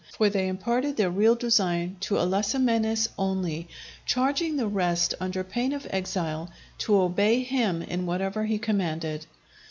For they imparted their real design to Alasamenes only, charging the rest, under pain of exile, to obey him in whatever he commanded.